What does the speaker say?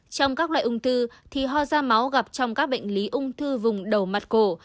trong các loại ung thư thì ho da máu gặp trong các bệnh lý ung thư vùng đầu mặt cổ